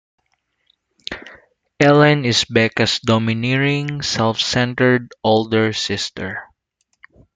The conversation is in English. Ellen is Becca's domineering, self-centered older sister.